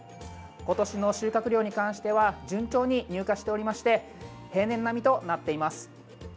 今年の収穫量に関しては順調に入荷しておりまして平年並みとなっています。